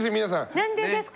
何でですか？